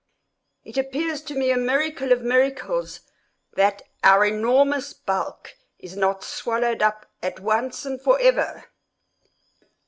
It appears to me a miracle of miracles that our enormous bulk is not swallowed up at once and forever.